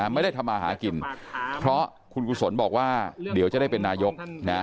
ไม่ได้ทำมาหากินเพราะคุณกุศลบอกว่าเดี๋ยวจะได้เป็นนายก